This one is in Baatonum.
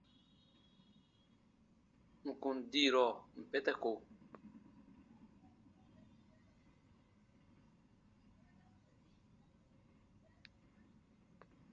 N‹ kun diirɔ ǹ pɛtɛ ko.